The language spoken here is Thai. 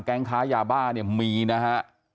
แก๊งค้ายาบ้ามีนะครับ